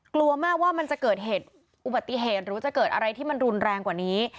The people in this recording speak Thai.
กลัวมากว่ามันจะเกิดเหตุอุบัติเหตุหรือจะเกิดอะไรที่มันรุนแรงกว่านี้